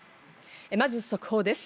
まず速報です。